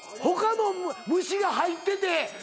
他の虫が入ってて。